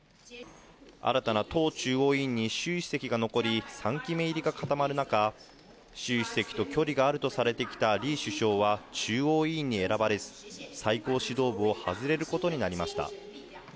新たな党中央委員に習主席が残り、３期目入りが固まる中、習主席と距離があるとされてきた李首相は中央委員に選ばれず、最高指導部を外れることになりました。